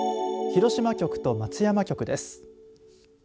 広島局と松山局です。